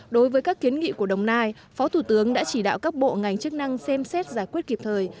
đối với các kiến nghị của đồng nai phó thủ tướng đã chỉ đạo các bộ ngành chức năng xem xét giải quyết kịp thời